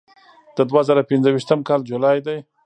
د دوه زره پنځه ویشتم کال جولای ده.